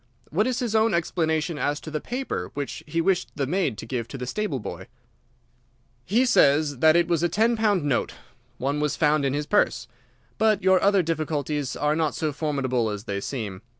What is his own explanation as to the paper which he wished the maid to give to the stable boy?" "He says that it was a ten pound note. One was found in his purse. But your other difficulties are not so formidable as they seem.